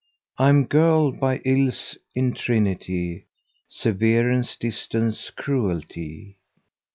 I'm girt by ills in trinity * Severance, distance, cruelty!